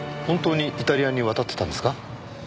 本当にイタリアに渡ってたんですか？